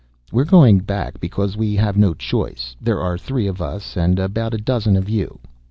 "We are going back because we have no choice. There are three of us and about a dozen of you.